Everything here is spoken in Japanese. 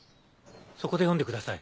そこで読んでください。